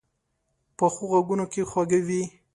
پخو غږونو کې خواږه وي